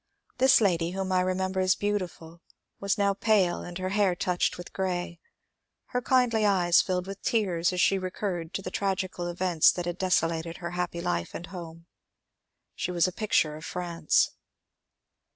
This lady, whom I remember as beautiful, was now pale and her hair touched with grey : her kindly eyes 272 MONCURE DANIEL CONWAY filled with tears as she recurred to the tragical events that had desolated her happy life and home. She was a picture of France.